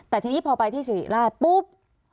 แต่ทีนี้พอไปที่สิริราชปุ๊บ